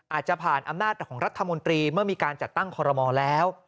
อาจจะผ่านอำนาจของรัฐมนตรีเมื่อมีการจัดตั้งคอรมอลแล้ว